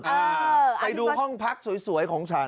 ไปดูห้องพักสวยของฉัน